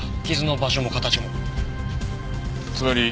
傷の場所も形も。